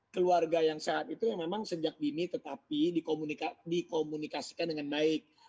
keluarga yang sehat itu memang sejak dini tetapi dikomunikasikan dengan baik